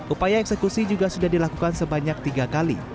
upaya eksekusi juga sudah dilakukan sebanyak tiga kali